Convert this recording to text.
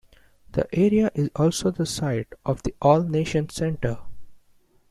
The area is also the site of the All Nations Centre.